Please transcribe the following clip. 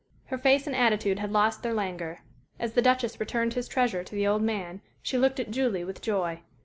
Her face and attitude had lost their languor. As the Duchess returned his treasure to the old man she looked at Julie with joy.